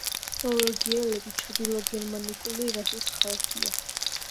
ნორვეგიელები ჩრდილოგერმანიკული რასის ხალხია.